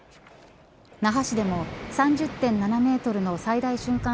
那覇市でも３０．７メートルの最大瞬間